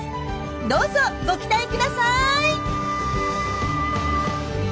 どうぞご期待ください！